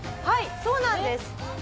はいそうなんです。